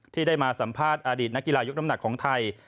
ที่ได้มาสัมภาษณ์อดีตนักกีฬายกน้ำหนักของไทย